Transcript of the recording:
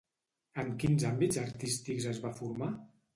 En quins àmbits artístics es va formar?